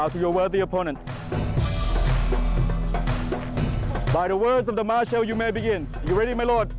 โปรดติดตามตอนต่อไป